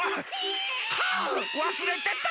わすれてた！